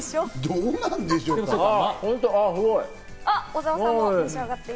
どうなんでしょうかって。